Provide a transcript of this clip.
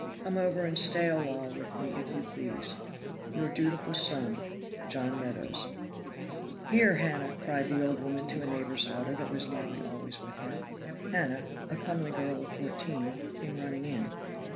Come over and stay awhile with me, if you please. "Your dutiful son, JOHN MEADOWS" "Here, Hannah," cried the old woman to a neighbor's daughter that was nearly always with her. Hannah, a comely girl of fourteen, came running in.